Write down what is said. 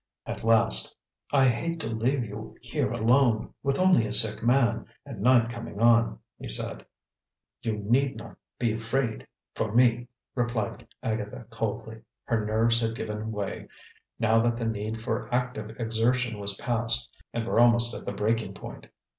At last, "I hate to leave you here alone, with only a sick man, and night coming on," he said. "You need not be afraid for me," replied Agatha coldly. Her nerves had given way, now that the need for active exertion was past, and were almost at the breaking point.